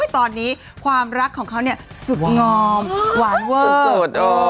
ตอนนี้ความรักของเขาสุดงอมหวานเวอร์สุด